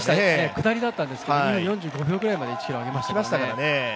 下りだったんですけど２分４５秒ぐらいまでペース上げましたからね。